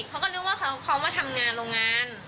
เขาก็นึกว่าเขามาทำงานโรงงาน